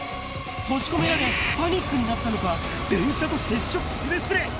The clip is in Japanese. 閉じ込められ、パニックになったのか、電車と接触すれすれ。